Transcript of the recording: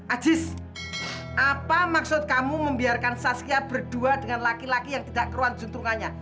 ajis apa maksud kamu membiarkan saskia berdua dengan laki laki yang tidak keruan juntungannya